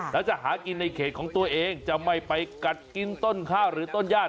แล้วจะหากินในเขตของตัวเองจะไม่ไปกัดกินต้นข้าวหรือต้นญาติ